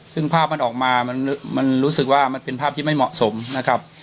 ซึ่งภาพมันออกมามันรู้สึกว่ามันเป็นภาพที่ไม่เหมาะสมนะครับ